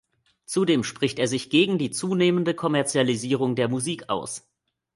Zudem spricht er sich gegen die zunehmende Kommerzialisierung der Musik aus.